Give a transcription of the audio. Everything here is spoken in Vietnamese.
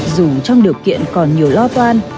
dù trong điều kiện còn nhiều lo toan